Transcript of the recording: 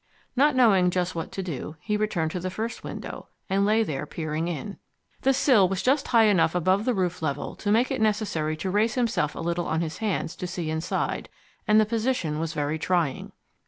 Not knowing just what to do, he returned to the first window, and lay there peering in. The sill was just high enough above the roof level to make it necessary to raise himself a little on his hands to see inside, and the position was very trying.